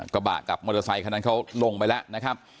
กระบะกับมอเตอร์ไซค์คนนั้นเขาลงไปแล้ว